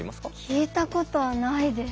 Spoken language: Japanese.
聞いたことないです。